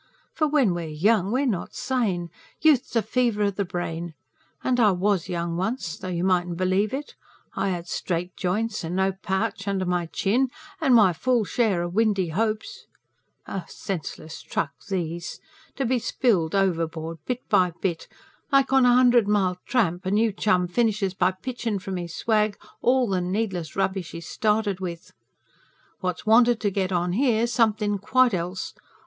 For when we're young, we're not sane. Youth's a fever o' the brain. And I WAS young once, though you mightn't believe it; I had straight joints, and no pouch under my chin, and my full share o' windy hopes. Senseless truck these! To be spilled overboard bit by bit like on a hundred mile tramp a new chum finishes by pitchin' from his swag all the needless rubbish he's started with. What's wanted to get on here's somethin' quite else.